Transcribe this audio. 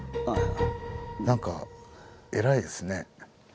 何か偉いですね。